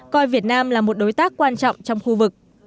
coi việt nam là một đối tác quan trọng trong khu vực